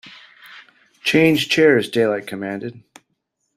Change chairs, Daylight commanded.